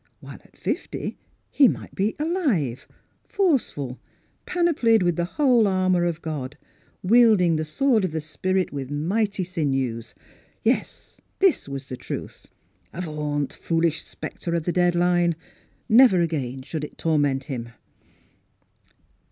While at fifty he miglit be alive, forceful, panoplied with the whole armour of God, wielding the sword of the spirit with mighty sinews. Yes ; this was the truth. Avaunt, foolish spectre of the " dead line "! Never again should it tor ment him.